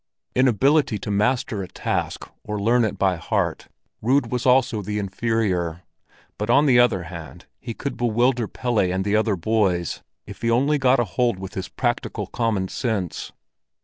In ability to master a task or learn it by heart, Rud was also the inferior; but on the other hand he could bewilder Pelle and the other boys, if he only got a hold with his practical common sense.